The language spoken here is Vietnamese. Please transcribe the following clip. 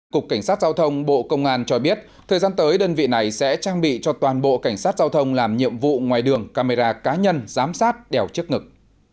cục cảnh sát giao thông bộ công an cho biết thời gian tới đơn vị này sẽ trang bị cho toàn bộ cảnh sát giao thông làm nhiệm vụ ngoài đường camera cá nhân giám sát đèo chiếc ngực